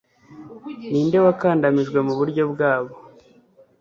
Ninde wakandamijwe muburyo bwabo